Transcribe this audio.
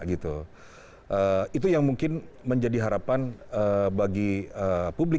itu yang mungkin menjadi harapan bagi publik